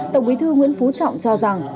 tổng quý thư nguyễn phú trọng cho rằng